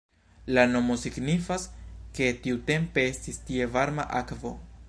La nomo signifas, ke tiutempe estis tie varma akvo.